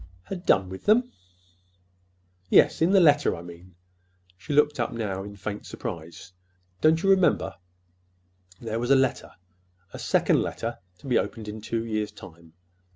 "Had done with them!" "Yes, in the letter, I mean." She looked up now in faint surprise. "Don't you remember? There was a letter—a second letter to be opened in two years' time.